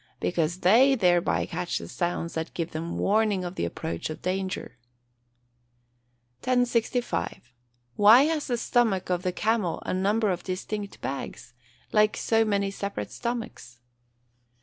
_ Because they thereby catch the sounds that give them warning of the approach of danger. 1065. _Why has the stomach of the camel a number of distinct bags, like so many separate stomachs?